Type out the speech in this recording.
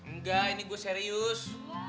nggak ini gue serius